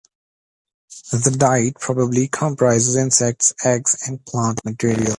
The diet probably comprises insects, eggs and plant material.